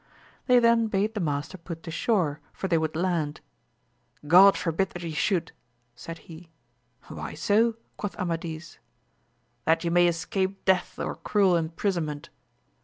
They then bade the master put to shore, for they would land. God forbid that you should ! said he. Why so 1 quoth Amadis. — That you may escape death or cruel imprisonment.